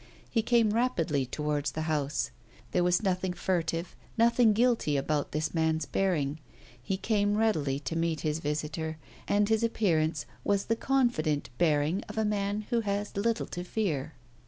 He came rapidly towards the house. There was nothing furtive, nothing guilty about this man's bearing; he came readily to meet his visitor, and his appearance was the confident bearing of a man who has little to fear.